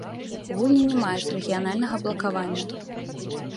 Гульні не маюць рэгіянальнага блакавання.